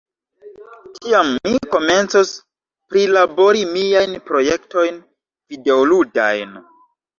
tiam mi komencos prilabori miajn projektojn videoludajn.